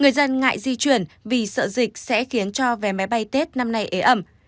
người dân ngại di chuyển vì sợ dịch sẽ khiến cho vé máy bay tết năm nay ế ẩm